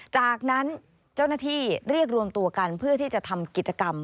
จากนั้นเจ้าหน้าที่เรียกรวมตัวกันเพื่อที่จะทำกิจกรรม